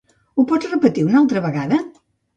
Ho pots repetir una altra vegada?